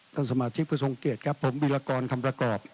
สมาชิกผู้ทรงเกียจครับผมวิรากรคำประกอบ